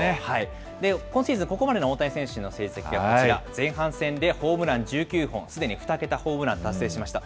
今シーズン、ここまでの大谷選手の成績はこちら、前半戦でホームラン１９本、すでに２桁ホームラン、達成しました。